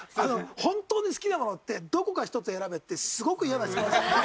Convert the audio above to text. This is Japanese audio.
本当に好きなものってどこか一つ選べってすごく嫌な質問だよね。